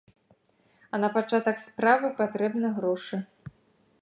А на пачатак справы патрэбны грошы.